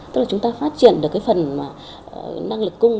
tức là chúng ta phát triển được cái phần năng lực cung